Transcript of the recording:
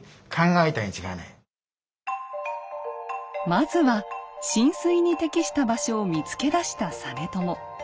まずは進水に適した場所を見つけ出した実朝。